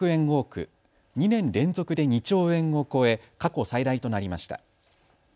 多く２年連続で２兆円を超え過去最大となりました。